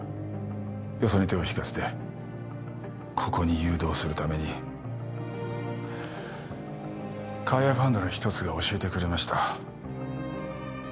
よそに手を引かせてここに誘導するために海外ファンドの一つが教えてくれました